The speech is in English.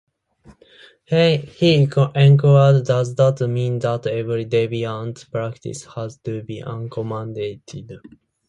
He enquired: Does that mean that every deviant practice has to be accommodated?